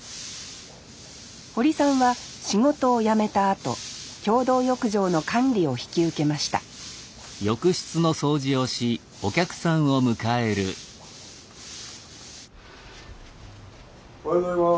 堀さんは仕事を辞めたあと共同浴場の管理を引き受けましたおはようございます。